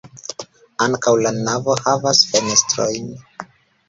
Ankaŭ la navo havas fenestrojn.